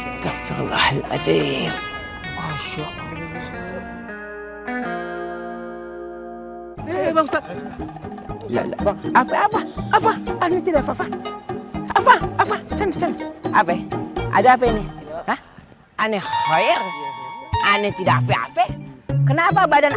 ini tidak apa apa apa apa apa ada apa ini aneh air aneh tidak apa apa kenapa badan